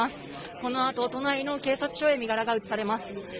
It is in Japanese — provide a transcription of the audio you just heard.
このあと、都内の警察署へ身柄が移されます。